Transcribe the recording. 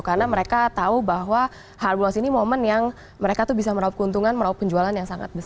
karena mereka tahu bahwa hardball nas ini momen yang mereka tuh bisa merauh keuntungan merauh penjualan yang sangat besar